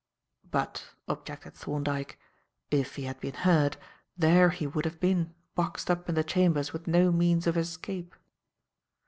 "But," objected Thorndyke, "if he had been heard, there he would have been, boxed up in the chambers with no means of escape."